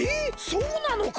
そうなのか？